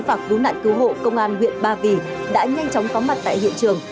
và cứu nạn cứu hộ công an huyện ba vì đã nhanh chóng có mặt tại hiện trường